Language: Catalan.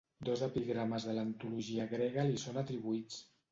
Dos epigrames de l'antologia grega li són atribuïts.